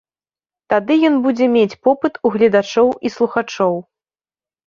Тады ён будзе мець попыт у гледачоў і слухачоў.